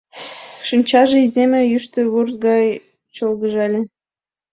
Шинчаже иземе, йӱштӧ вурс гай чолгыжале.